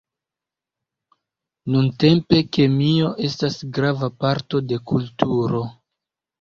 Nuntempe kemio estas grava parto de kulturo.